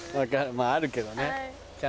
まぁあるけどね。